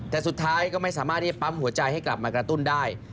แต่สุดท้ายก็ไม่สามารถที่จะปั๊มหัวใจให้กลับมากระตุ้นได้